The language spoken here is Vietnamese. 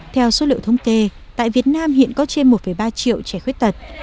theo số liệu thống kê tại việt nam hiện có trên một ba triệu trẻ khuyết tật